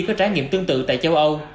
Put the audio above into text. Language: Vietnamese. có trải nghiệm tương tự tại châu âu